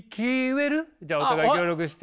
じゃあお互い協力して。